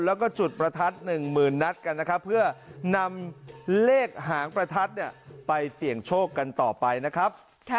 แล้วก็จุดประทัด๑๐๐๐นัดกันนะครับเพื่อนำเลขหางประทัดเนี่ยไปเสี่ยงโชคกันต่อไปนะครับ